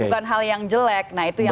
nah itu yang harus di diperhatikan